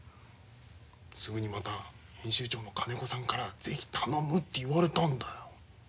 すぐにまた編集長の金子さんから是非頼むって言われたんだよ。